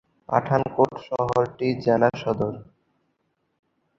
পাঠানকোট শহরটি জেলা সদর।